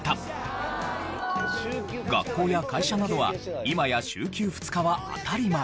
学校や会社などは今や週休２日は当たり前。